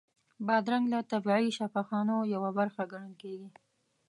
بادرنګ له طبیعي شفاخانو یوه برخه ګڼل کېږي.